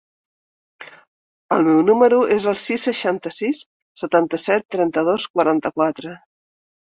El meu número es el sis, seixanta-sis, setanta-set, trenta-dos, quaranta-quatre.